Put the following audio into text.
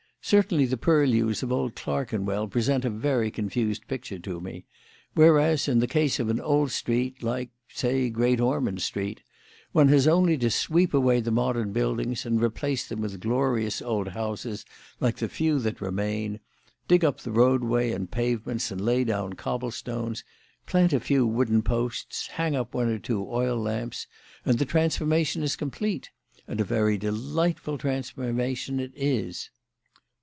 "Certainly, the purlieus of old Clerkenwell present a very confused picture to me; whereas, in the case of an old street like, say, Great Ormond Street, one has only to sweep away the modern buildings and replace them with glorious old houses like the few that remain, dig up the roadway and pavements and lay down cobble stones, plant a few wooden posts, hang up one or two oil lamps, and the transformation is complete. And a very delightful transformation it is."